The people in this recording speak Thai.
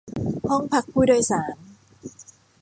ห้องพักผู้โดยสาร